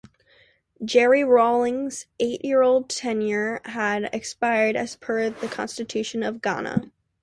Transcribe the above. Jerry Rawlings' eight-year tenure had expired as per the Constitution of Ghana.